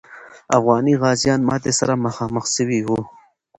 افغاني غازیان ماتي سره مخامخ سوي وو.